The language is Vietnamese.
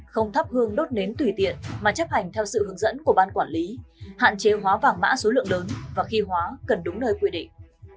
không thắp hương đốt nến tùy tiện mà chấp hành theo sự hướng dẫn của ban quản lý hạn chế hóa vàng mã số lượng lớn và khi hóa cần đúng nơi quy định